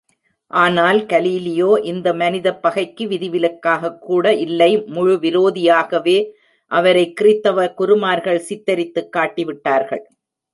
ஆனால், கலீலியோ இந்த மனிதப் பகைக்கு விதிவிலக்காகக்கூட இல்லை முழு விரோதியாகவே அவரை கிறித்தவ குருமார்கள் சித்தரித்துக் காட்டிவிட்டார்கள்.